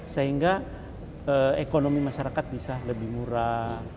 sehingga ekonomi masyarakat bisa lebih murah